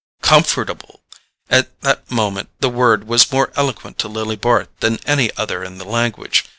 Comfortable! At that moment the word was more eloquent to Lily Bart than any other in the language.